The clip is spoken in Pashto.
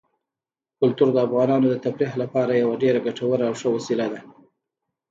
کلتور د افغانانو د تفریح لپاره یوه ډېره ګټوره او ښه وسیله ده.